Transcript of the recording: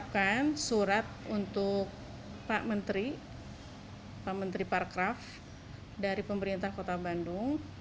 persiapkan surat untuk pak menteri pak menteri parcraf dari pemerintah kota bandung